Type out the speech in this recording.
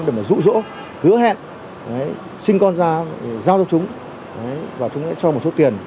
để mà rũ rỗ hứa hẹn sinh con ra giao cho chúng và chúng sẽ cho một số tiền